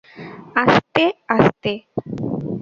আস্তে, আস্তে!